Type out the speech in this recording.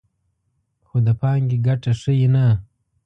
خو د پانګې ګټه ښیي نه